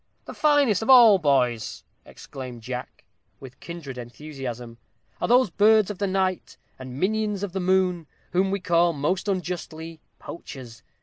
"The finest of all boys," exclaimed Jack, with a kindred enthusiasm, "are those birds of the night, and minions of the moon, whom we call, most unjustly, poachers.